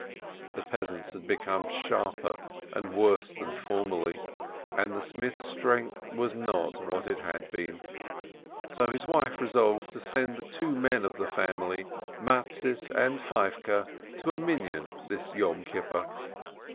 The peasants had become sharper and worse than for merly, and the smith's strength was hot what it had been. So his wife resolved to send the two men of the family, Mattes and Feivke, to a Minyan this Yom Kippur.